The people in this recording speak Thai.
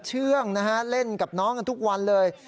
เล่นกับน้องกันทุกวันเลย